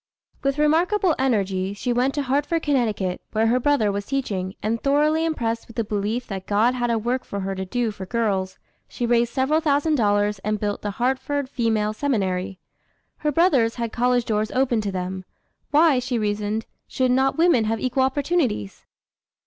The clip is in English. With remarkable energy, she went to Hartford, Conn., where her brother was teaching, and thoroughly impressed with the belief that God had a work for her to do for girls, she raised several thousand dollars and built the Hartford Female Seminary. Her brothers had college doors opened to them; why, she reasoned, should not women have equal opportunities?